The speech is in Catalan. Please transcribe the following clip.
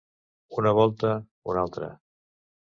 Una volta, una altra.